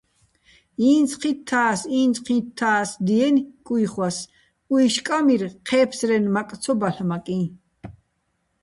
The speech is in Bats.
"ინც ჴითთა́ს, ინც ჴითთა́ს" - დიენი̆ კუჲხვას, უჲში̆ კამირ, ჴე́ფსრენ მაყ ცო ბალ'მაკიჼ.